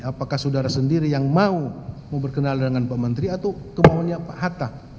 apakah saudara sendiri yang mau berkenal dengan pak menteri atau kemohonnya pak hatta